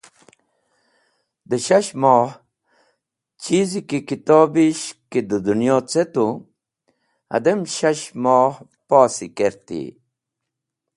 Dẽ Shash moh chizi k kitobish ki dẽ dũnyo ce tu, hadem shash moh posi kertey.